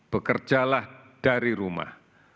bekerjalah dari rumah